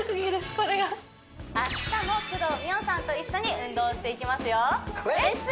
これが明日も工藤美桜さんと一緒に運動をしていきますよ「レッツ！